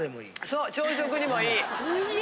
そう朝食にもいい。